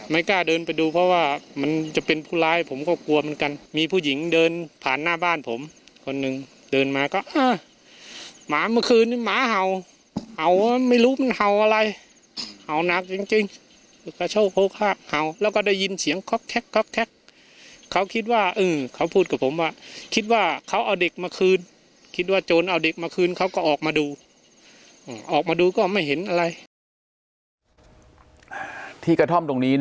ไม่กล้าเดินไปดูเพราะว่ามันจะเป็นภูราให้ผมก็กลัวเหมือนกันมีผู้หญิงเดินผ่านหน้าบ้านผมคนหนึ่งเดินมาก็อ่าหมาเมื่อคืนหมาเห่าเห่าไม่รู้เห่าอะไรเห่านักจริงจริงกระโชว์โภคห่าเห่าแล้วก็ได้ยินเสียงคล็อกคล็อกคล็อกคล็อกเขาคิดว่าเออเขาพูดกับผมว่าคิดว่าเขาเอาเด็กมาคืนคิดว่าโจรเอาเด็กมาคืน